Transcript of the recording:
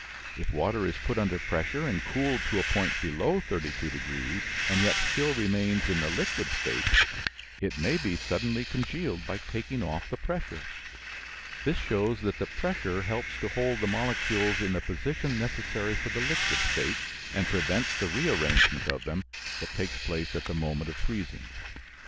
If water is put under pressure and cooled to a point below 32 degrees, and yet still remains in the liquid state, it may be suddenly congealed by taking off the pressure; this shows that the pressure helps to hold the molecules in the position necessary for the liquid state, and prevents the rearrangement of them that takes place at the moment of freezing.